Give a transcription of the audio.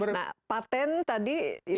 nah patent tadi itu